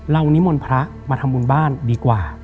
เรานิมวลพระมาทำบุญบ้านดีกว่า